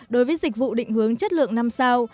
đối với dịch vụ định hướng chất lượng năm sao